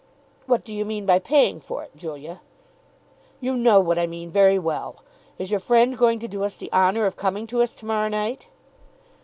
"What do you mean by paying for it, Julia?" "You know what I mean very well. Is your friend going to do us the honour of coming to us to morrow night?"